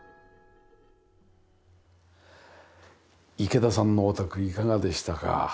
池田さんのお宅いかがでしたか？